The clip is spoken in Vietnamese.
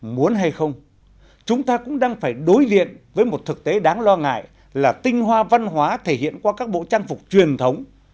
muốn hay không chúng ta cũng đang phải đối diện với một thực tế đáng lo ngại là tinh hoa văn hóa thể hiện qua các bộ trang phục truyền thống